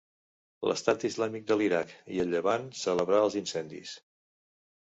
L'Estat Islàmic de l'Iraq i el Llevant celebrà els incendis.